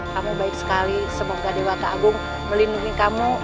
kamu baik sekali semoga dewa ta'agung melindungi kamu